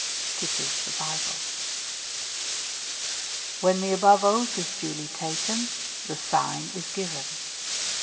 {Kisses the Bible.) When the above oath is duly taken, the " sign " is given.